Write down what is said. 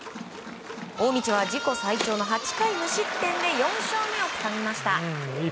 大道は自己最長の８回無失点で４勝目をつかみました。